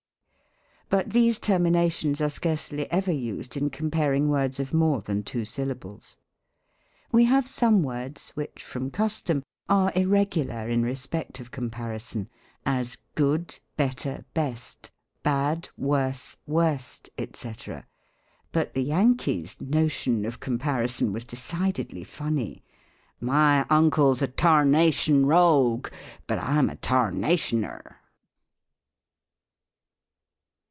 But these termina tions are scarcely ever used in comparing words of more than two syllables. We have some words, which, from custom, are ir regular in respect of comparison ; as, good, better, best; bad, worse, worst, &c.; but the Yankee's "no tion" of comparison was decidedly funny ;" My uncle's a tarnation rogue ; but I'm a tarnationer."